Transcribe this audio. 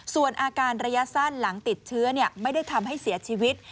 ส่วนอาการระยะสั้นหลังติดเชื้อไม่ได้ทำให้เสียชีวิต